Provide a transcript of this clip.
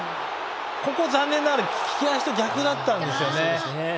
ここ、残念ながら利き足と逆だったんですよね。